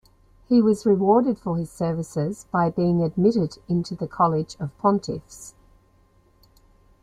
He was rewarded for his services by being admitted into the college of pontiffs.